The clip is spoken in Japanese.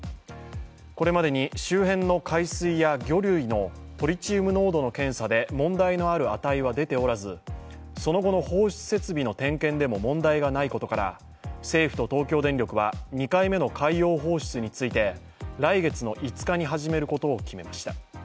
これまでに周辺の海水や魚類のトリチウム濃度の検査で問題のある値は出ておらず、その後の放出設備の点検でも問題がないことから政府と東京電力は、２回目の海洋放出について来月の５日に始めることを決めました。